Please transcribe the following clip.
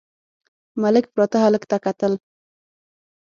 ملک پراته هلک ته کتل….